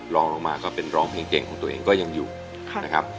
ลองลงมาก็เป็นร้องเพลงเก่งของตัวเองก็ยังอยู่นะครับ